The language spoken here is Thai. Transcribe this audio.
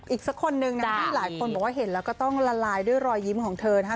อีกสักคนนึงนะที่หลายคนบอกว่าเห็นแล้วก็ต้องละลายด้วยรอยยิ้มของเธอนะคะ